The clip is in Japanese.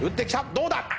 ⁉どうだ